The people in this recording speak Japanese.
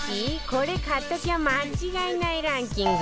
これ買っときゃ間違いないランキング